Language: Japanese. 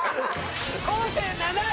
昴生７位！